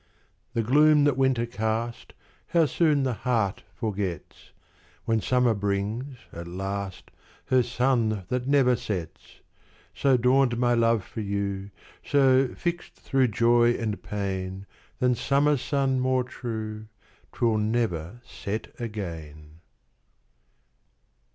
The gloom that winter cast, How soon the heart forgets, When summer brings, at last, Her sun that never sets! So dawned my love for you; So, fixt thro' joy and pain, Than summer sun more true, 'Twill never set again.